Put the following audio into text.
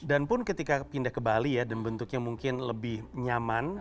dan pun ketika pindah ke bali ya dan bentuknya mungkin lebih nyaman